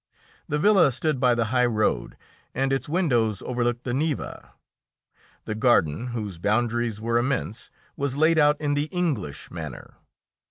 The villa stood by the high road, and its windows overlooked the Neva. The garden, whose boundaries were immense, was laid out in the English manner.